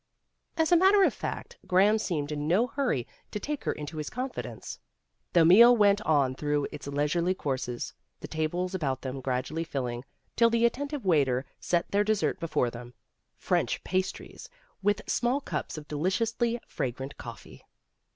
As a matter of fact, Graham seemed in no hurry to take her into his confidence. The meal went on through its leisurely courses, the tables about them gradually filling, till the attentive waiter set their dessert before them French pastries with small cups of deliciously fragrant coffee.